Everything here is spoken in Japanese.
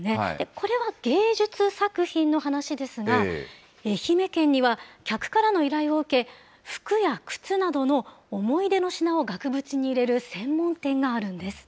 これは芸術作品の話ですが、愛媛県には、客からの依頼を受け、服や靴などの思い出の品を額縁に入れる専門店があるんです。